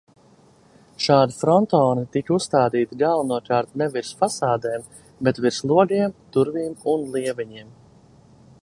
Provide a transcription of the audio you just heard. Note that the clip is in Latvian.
Šādi frontoni tika uzstādīti galvenokārt ne virs fasādēm, bet virs logiem, durvīm un lieveņiem.